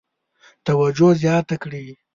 توجه زیاته کړي.